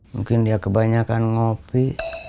mungkin dia kebanyakan ngopi